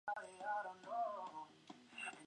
上杉房能的养子。